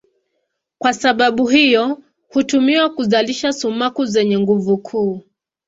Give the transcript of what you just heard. Kwa sababu hiyo hutumiwa kuzalisha sumaku zenye nguvu kuu.